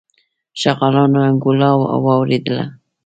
شغالانو انګولا واورېدله.